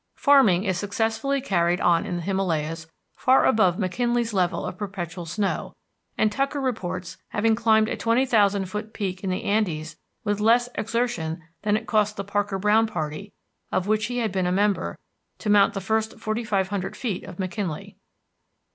Farming is successfully carried on in the Himalayas far above McKinley's level of perpetual snow, and Tucker reports having climbed a twenty thousand foot peak in the Andes with less exertion than it cost the Parker Browne party, of which he had been a member, to mount the first forty five hundred feet of McKinley.